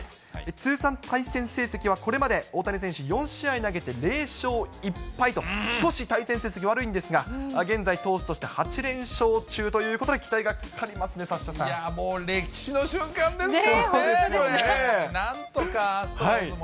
通算対戦成績はこれまで大谷選手、４試合投げて０勝１敗と、少し対戦成績悪いんですが、現在、投手として８連勝中ということで期待がかかりますね、サッシャさいや、もう歴史の瞬間ですよ